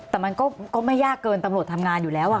แต่มันก็ไม่ยากเกินตำรวจทำงานอยู่แล้ว